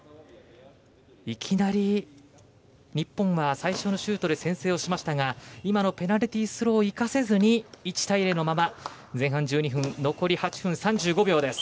いきなり日本は最初のシュートで先制をしましたがペナルティースローを生かせずに１対０のまま前半１２分。